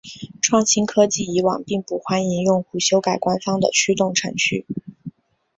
创新科技以往并不欢迎用户修改官方的驱动程序。